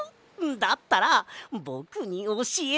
だったらぼくにおしえてよ！